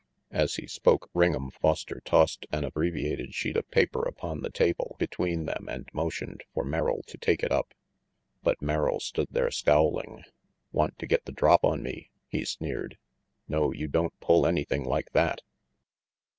As he spoke, Ring'em Foster tossed an abbre RANGY PETE 181 viated sheet of paper upon the table between them and motioned for Merrill to take it up. But Merrill stood there scowling. " Want to get the drop on me? " he sneered. "No, you don't pull anything like that."